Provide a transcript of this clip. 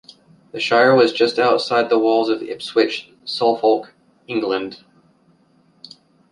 The shrine was just outside the walls of Ipswich, Suffolk, England.